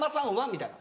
みたいな。